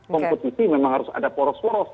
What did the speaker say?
kompetisi memang harus ada poros poros